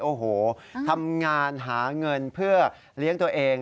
โอ้โหทำงานหาเงินเพื่อเลี้ยงตัวเอง